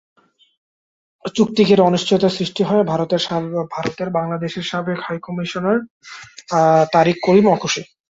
চুক্তি ঘিরে অনিশ্চয়তা সৃষ্টি হওয়ায় ভারতের বাংলাদেশের সাবেক হাইকমিশনার তারিক করিমও অখুশি।